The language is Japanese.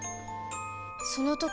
その時